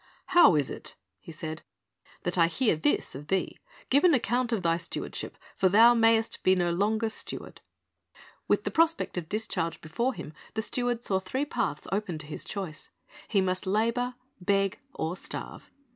"How is it," he said, "that I hear this of thee ? Give an account of thy stewardship; for thou mayest be no longer steward." With the prospect of discharge before him, the .steward saw three paths open to his choice. He must labor, beg, or starve.